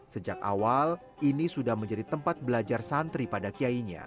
sejak awal ini sudah menjadi tempat belajar santri pada kiainya